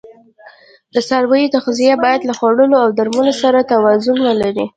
د څارویو تغذیه باید له خوړو او درملو سره توازون ولري.